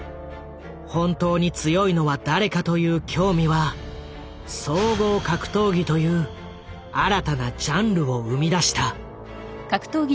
本当に強いのは誰かという興味は「総合格闘技」という新たなジャンルを生み出した。